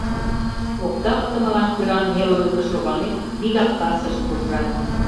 Окса пытымылан кӧра нелылыкыш логалмек, вигак кассыш куржат.